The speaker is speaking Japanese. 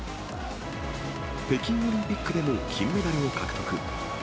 北京オリンピックでも金メダルを獲得。